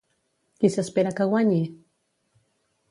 Qui s'espera que guanyi?